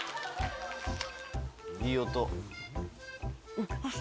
いい音。